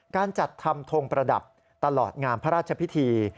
การจัดทำทงประดับตลอดงามพระราชพิธี